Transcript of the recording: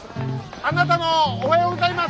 あなたのおはようございます！